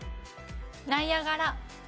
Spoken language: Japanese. ナイアガラ。